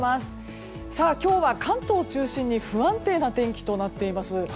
今日は関東を中心に不安定な天気となっています。